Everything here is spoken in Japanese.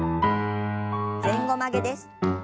前後曲げです。